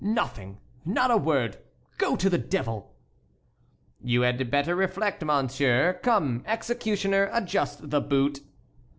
"Nothing; not a word! Go to the devil!" "You had better reflect, monsieur. Come, executioner, adjust the boot."